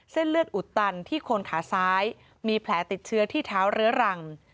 เส้นเลือดอุดตันที่โคนขาซ้ายมีแผลติดเชื้อที่เท้าเรื้อรัง